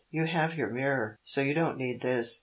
"You have your mirror, so you don't need this.